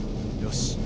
よし。